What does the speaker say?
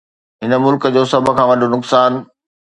هن ملڪ جو سڀ کان وڏو نقصان